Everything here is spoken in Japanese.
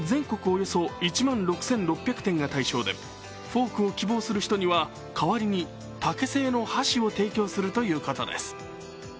およそ１万６６００店が対象でフォークを希望する人には代わりに竹製の箸を提供するということです。